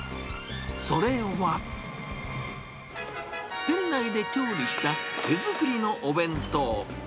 それは、店内で調理した、手作りのお弁当。